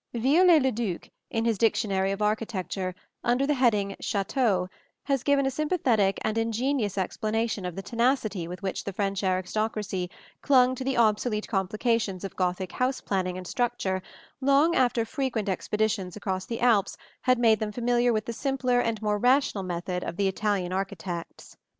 Viollet le Duc, in his dictionary of architecture, under the heading Château, has given a sympathetic and ingenious explanation of the tenacity with which the French aristocracy clung to the obsolete complications of Gothic house planning and structure long after frequent expeditions across the Alps had made them familiar with the simpler and more rational method of the Italian architects.